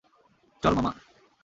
চল, মামা!